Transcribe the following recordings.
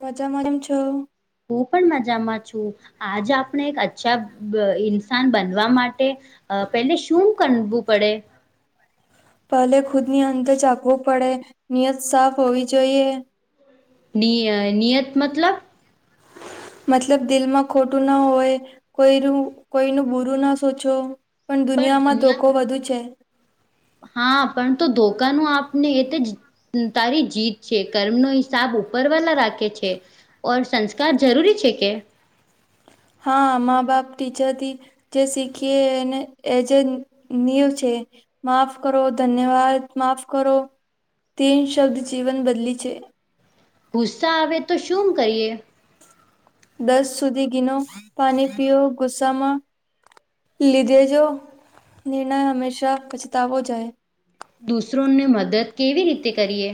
મજા [unintelligible] છો. હું પણ મજામાં છું આજ આપણે એક અચ્છા બ ઇન્સાન બનવા માટે. અ પેલે શું કનવું પડે. પહેલે ખુદ ની અંદર ઝાખવુ પડે નિયત સાફ હોવી જોઈએ. નિય નિયત મતલબ મતલબ દિલમાં ખોટું ના હોય કોઈરુ કોઈનું બુરું ના સોચો. પણ દુનિયામાં ધોકો વધુ છે. દુનિયા હા પણ તો ધોકાનું આપને એ તે જ હમ્મ તારી જીત છે કર્મ નો હિસાબ ઉપરવાલા રાખે છે. ઓર સંસ્કાર જરૂરી છે કે હા મા બાપ ટીચરથી જે શીખીએ એને એ જે નીવ છે. માફ કરો ધન્યવાદ માફ કરો તે શબ્દ જીવન બદલી છે. પૂસા આવે તો શું કરીએ. દસ સુધી ગીનો પાણી પીયો ગુસ્સામાં લીધે જો નિર્ણય હંમેશા પચતાવો જાય. દૂસરો ની મદદ કેવી રીતે કરીએ.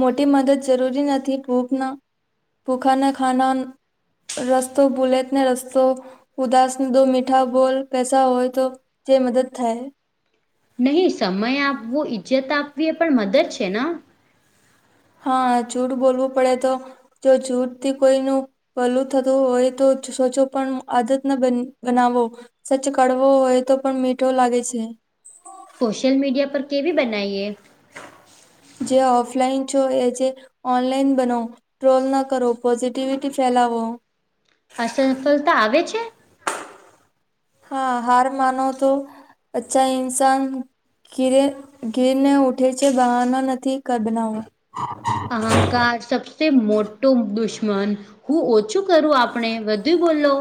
મોટી મદદ જરૂરી નથી ભૂખના ભૂખાના ખાના રસ્તો ભુલે ને રસ્તો. ઉદાસ દો મીઠા બોલ પૈસા હોય તો જે મદદ થાય. નહી સમય આપવો ઈજ્જત આપવી એ પણ મદદ છે ન. હા જૂટ બોલવું પડે તો જો જૂટ થી કોઈનું પલું થતું હોય તો સોચો પણ આદત ના બનાવો. સચ કડવો હોય તો પણ મીઠો લાગે છે. સોશિયલ મીડિયા પર કેવી બનાઈએ. જે ઓફલાઈન છો એ જે ઓનલાઈન બનો ટ્રોલ ના કરો પોઝિટિવિટી ફેલાવો અસલફલતા આવે છે. હા હાર માનો તો અચ્છા ઇન્સાન ઘીરે ગીરને ઉઠે છે બહાનો નથી કગનાવું. અહંકાર સબસે મોટો દુશ્મન હું ઓછું કરું આપણે વધુ બોલો.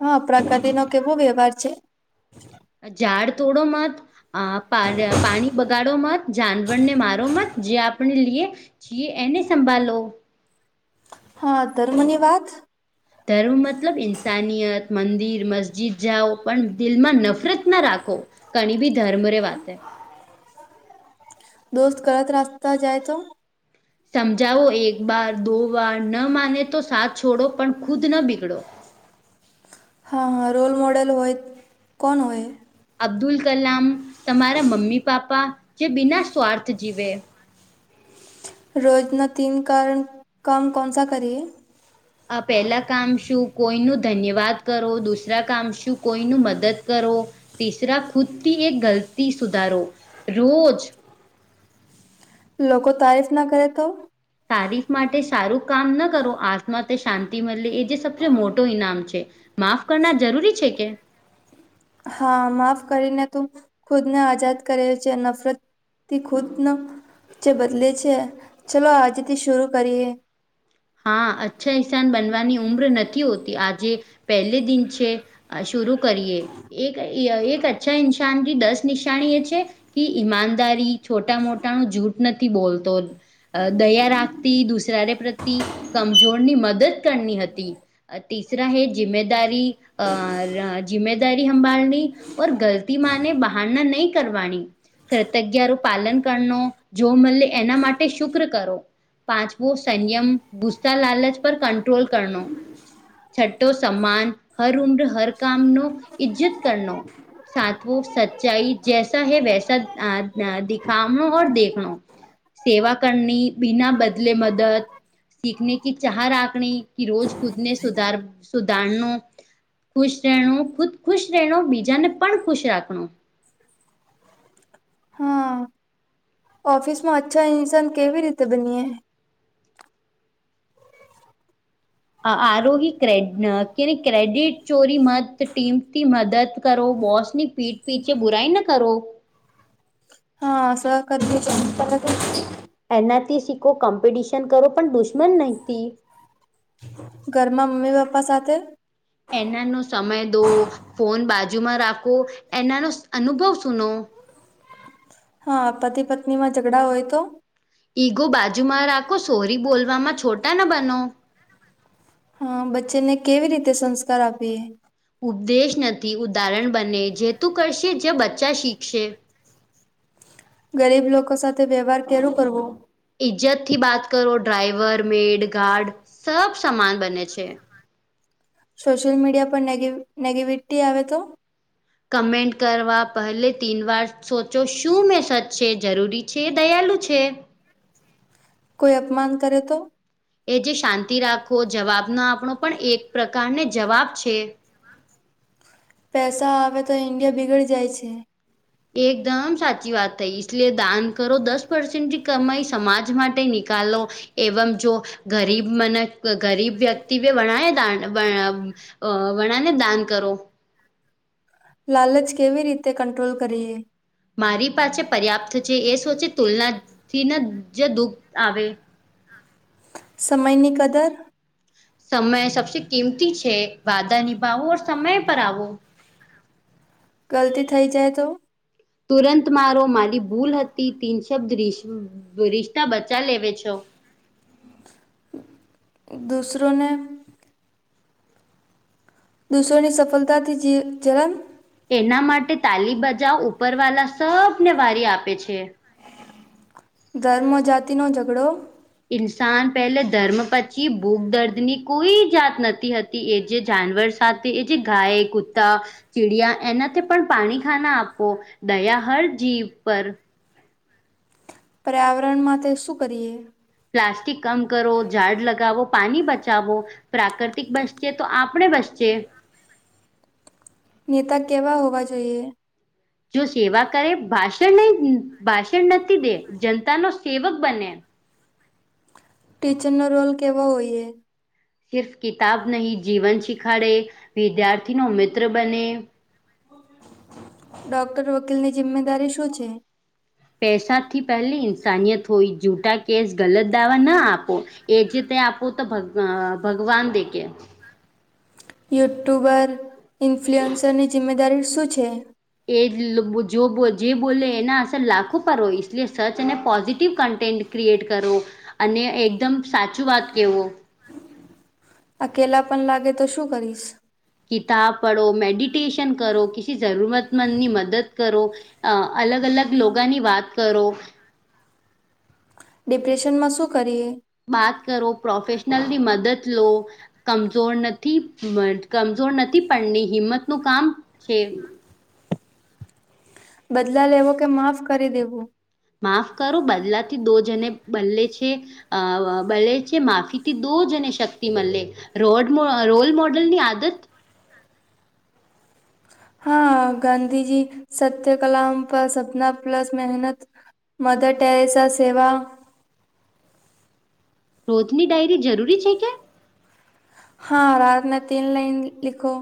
હા પ્રકૃતિ નો કેવો વ્યવહાર છે. ઝાડ તોડો મત આ પા પાણી બગાડો મત જાનવરને મારો મત. જે આપણે લઈએ છીએ એને સંભાલો. હા ઘમૅ ની વાત. ધર્મ મતલબ ઇન્સાનિયત મંદિર મસ્જિદ જાઓ પણ દિલમાં નફરત ના રાખો. કણી ભી ધર્મ રે વાતે. દોસ્ત ગલત રસ્તા જાય તો. સમજાવો એક વાર દો વાર ન માને તો સાથ છોડો પણ ખુદ ન બીગડો હા હા રોલ મોડલ હોય કોણ હોય. અબ્દુલ કલામ તમારા મમ્મી પાપા જે બિના સ્વાર્થ જીવે. રોજના તિન કરણ કામ કોનસા કરીએ. આ પહેલા કામ શું કોઈનું ધન્યવાદ કરો દુસરા કામ શું કોઈનું મદદ કરો. તીસરા ખુદથી એક ગલતી સુધારો રોજ. લોકો તારીફ ના કરે તો. તારીફ માટે સારું કામ ન કરો આત્મા તે શાંતિ મળે એ જે સબથી મોટો ઈનામ છે. માફ કરના જરૂરી છે કે હા માફ કરીને તું ખુદ ને આઝાદ કરે છે નફરત થી ખુદ ન જે બદલે છે ચલો આજેથી શર કરીએ હા અચ્છા ઇસાન બનવાની ઉમ્ર નથી હોતી આજે પહેલે દિન છે. શુંરુ કરીએ એક એક અચ્છા ઇન્શાનથી દસ નિશાની એ છે. કી ઈમાનદારી છોટા મોટાનું જૂઠ નથી બોલતો દયા રાખતી દુસારે પ્રત્ય કમજોરની મદદ કરની હતી. તીસરા હૈ જિમ્મેદારી અ જિમ્મેદારી સંંભળણી ઓર ગલતીમાંને બહારના નહીં કરવાની કૃતજ્જ્ઞા પાલન કર જો મળે એના માટે શુક્ર કરો પાંચવો સંયમ ગુસ્તા લાલચ પર કંટ્રોલ કરનો છઠઠો સમાન હર ઉમ્ર હર કામનો ઈજ્જત કરનો સાતવો સચ્ચાઈ જૈસા હૈ વૈસા અ દિખા દેખણ સેવા કરની બિના બદલે મદદ સીખને કે ચાહ રાખણી કે રોજ ખુદને સુધાર સુધારનો ખુશ રહેણ ખુદ ખુશ રહેણ બીજાને પણ ખુશ રાખણો હા ઓફિસમાં અચ્છા ઇન્સાન કેવી રીતે બનીએ આરોગી ક કે ક્રેડિટ ચોરી મત ટીમથી મદદ કરો બોસની પીઠ પીટચ બુરાઈ ના કરો હા સકર દે જીમિતા લગે. એનાથી શીખો કોમ્પિટિશન કરો પણ દુશ્મન નહતી. ઘરમાં મમ્મી પપ્પા સાથે એનાનો સમય દો ફોન બાજુમાં રાખો એનાનો અનુભવ સુનો હા પતિ પત્ની માં ઝઘડા હોય તો ઈગો બાજુમાં રાખો સોહરી બોલવામાં છોટા ના બનો હ બચ્ચેને કેવી રીતે સંસ્કાર આપીએ ઉપદેશ નથી ઉદાહરણ બને જે તું કરશે જે બચ્ચા શીખશે ગરીબ લોકો સાથે વ્યવહાર કેરું કરવો. ઈજ્જત થી વાત કરો ડ્રાઈવર મેડ ગાર્ડ સબ સમાન બને છે. સોશિયલ મીડિયા પરનેગ નેગિવિટી આવે તો કમેન્ટ કરવા પહેલે તીન વાર સોચો શું મેસેજ છે જરૂરી છે દયાલું છે. કોઈ અપમાન કરે તો એ જે શાંતિ રાખો જવાબનો આપણો પણ એક પ્રકારને જવાબ છે. પૈસા આવેે તો ઈડિયા બિગડી જાય છે. એકદમ સાચી વાત થઈ ઈશલિયે દાન કરો દસ પર્સેન્ટથી કમાઈ સમાજ માટે નિકાલો એવમ જો ગરીબ મને ગરીબ વ્યક્તિ ભણાય ત અ વણા ને દાન કરો લાલચ કેવી રીતે કંટ્રોલ કરીએ મારી પાસે પર્યાપ્ત છે એ સોચે તુલનાથીને જે દુખ આવે સમયની કદર સમય સબસે કિંમતી છે વાદા નિભાવો સમય પર આવવો ગલતી થઈ જાય તો તુરંત મારો મારી ભૂલ હતી તીન શબ્દ રઈશ રિશતા બચા લેવે છો. દૂસરોને દૂસરોની સફળતાથી જે જેરામ એના માટે તાલી બજાવ ઉપરવાલા સબને વારી આપે છે. ધર્મ જાતિનો ઝઘડો ઇન્સાન પહેલે ધર્મ પછી ભૂખ દર્દ ની કોઈ જાત નથી હતી. એ જે જાનવર સાથે એ જે ગાય કુતા ચીડિયા એનાથી પણ પાણી ખાના આપો દયા હર જીવ પર પર્યાવરણ માં શું કરીએ પ્લાસ્ટિક કમ કરો ઝાડ લગાવો પાણી બચાવો. પ્રાકૃતિક બસશે તો આપણે બસચ નેતા કેવા હોવા જોઈએ. જો સેવા કરે ભાષણ નહી ભાષણ નથી દે જનતા નો સેવક બને ટીચર ન રોલ કેવાો હોઈએ સિર્ફ કિતાબ નહીં જીવન શીખાડે વિદ્યાર્થી નો મિત્ર બને ડોક્ટર વકીલ ની જિમ્મેદારી શું છે. પૈસાથી પહેલી ઇન્સાનિયત હોય જૂઠા કેસ ગલત દાવા ના આપો. એ જતે આપું તો ભગવાન દેખ યુટ્યુબર ઇન્ફ્લુઅન્સરની જિમ્મેદારી શું છે. એ જો જે બોલે એના અસર લાખો પર હોય લય સર્ચ અને પોઝિટિવ કન્ટેન્ટ ક્રિએટ કરો અને એકદમ સાચું વાત કહેવો અકેલા પણ લાગે તો શું કરીશ કતાબ પડો મેડિટેશન કરો કસી જરૂરતમંદની મદદ કરો. અ અલગ અલગ લોકોાની વાત કરો. ડિપ્રેશનમાં શું કરીએ બાત કરો પ્રોફેેશનલની મદદ લો લો કમજોર નથી કમજોર નથી પણ હિંમત નું કામ છે. બદલા લેવો કે માફ કરી દેવું માફ કરો બદલાથી દો જને બદલે છે. અ બલે છે. માફીથી દો જને શક્તિ મળે રોડ રોલ મોડલ ની આદત હા ગાંધીજી સત્ય કલા પર સપના પ્લસ મહેનત મદર ટેરેસ સેવા રોજની ડાયરી જરૂરી છે. કે હા રાતના તન લાઈઇન લિખો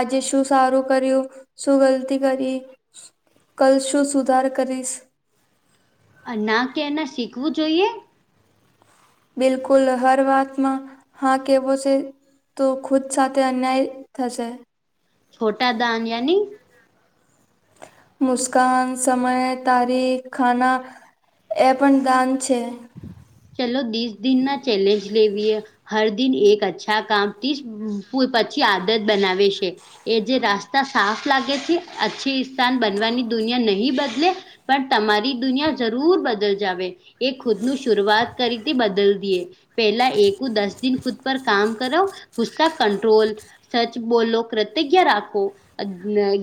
આજે શું સારું કર્યું શું ગલતી કરી કલ શું સુધાર કરીશ ના કે એના શીખવું જોઈએ બિલકુલ હર વાતમાં હા કેવો છે. તો ખુદ સાથે અન્યાય થશે છોટા દાન યાની મુસ્કાન સમય તારીખ ખાના એ પણ દાન છે. ચલો દીસ દિન ના ચેલેન્જ લેવીએ હર દિન એક અચ્છા કામથી પછી આદત બનાવે છે. એ જે રાસ્તા સાફ લાગે છે. અચ્છી સ્થાન બનવાની દુનિયા નહીિ બદલે પણ તમારી દુનિયા જરૂર બદલ જાવ એ ખુદનું શરૂઆત કરી હતી બદલ દએ પેલા એકું દસ દિન ખુદ પર કામ કરો ગુસ્તા કંટ્રોલ સચ બોલો કૃતજ્ઞ રાખો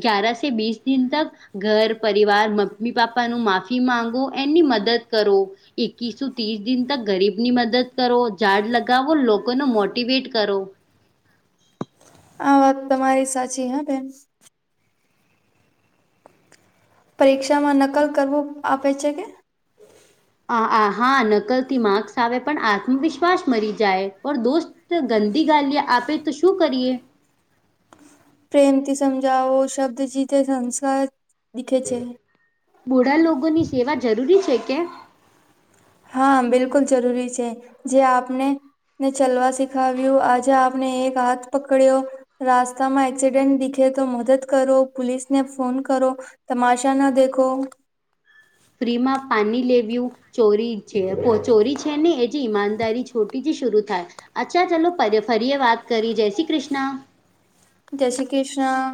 ગ્યારા સ બીસ દિન તક ઘર પરિવાર મમ્મી પાપાનું માફી માંગો એની મદદ કરો એકસ ત્રીસ દિન તક ગરીબ ની મદદ કરો ઝાડ લગાવો લોકોનો મોટવેટ કરો [inaudible] આ વાત તમારી સાચી હા બેન પરીક્ષામાં નકલ કરવું આપે છે. કે આ હા નકલથી માર્ક્સ આવે પણ આત્મવિશ્વાસ મરી જાય પણ દોસ્ત ગંદી ગાલીએ આપે તો શું કરીએ પ્રેમથી સમજાાવો શબ્દ જ તે સંસ્કાર લીખે છે. બુઢા લોકો ની સેવા જરૂરી છે કે. હા બિલકુલ જરૂરી છે જે આપને. ને ચલવા શીખાવ્યું આજે આપને એક હાથ પકડ્યો. રાસ્તામાં એક્સિડેન્ટ દીખે તો મદદ કરો પોલીસને ફોન કરો. તમાશા ના દેખો. ફ્રીમાં પાની લેવ્યું. ચોરી છે ચોરી છે ને એ જે ઈમાનદારી છોટી જ શરૂ થાય. અચ્છા ચલો ફરીએ વાત કરી જય શ્રી કૃષ્ણ. જય શ્રી કૃષ્ણ.